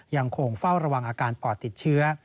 ยังคงเฝ้าระวังอาการปอดติดเชื้อ